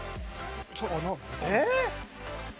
えっ！？